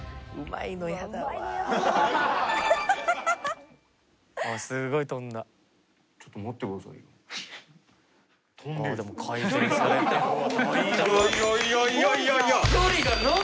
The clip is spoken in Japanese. いやいやいやいやいやいや！